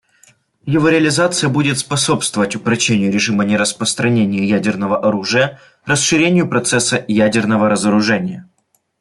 Его реализация будет способствовать упрочению режима нераспространения ядерного оружия, расширению процесса ядерного разоружения.